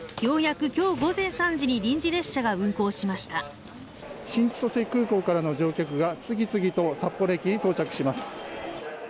ようやく今日午前３時に臨時列車が運行しました新千歳空港からの乗客が次々と札幌駅に到着します